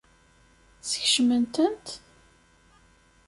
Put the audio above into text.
Skecmen-tent?